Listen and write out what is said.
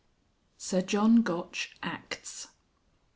SIR JOHN GOTCH ACTS.